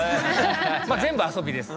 まあ全部遊びです。